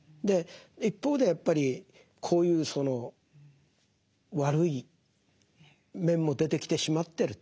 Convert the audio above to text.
一方でやっぱりこういうその悪い面も出てきてしまってると。